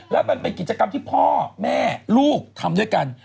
แล้วมันเป็นกิจกรรมที่พ่อแม่ลูกทำด้วยกัน